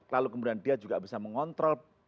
lalu kemudian dia juga bisa mengontrol